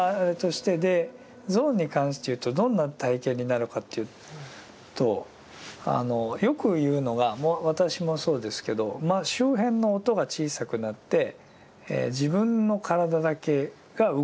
ゾーンに関して言うとどんな体験なのかというとよく言うのが私もそうですけど周辺の音が小さくなって自分の体だけが動いてる感じになるという。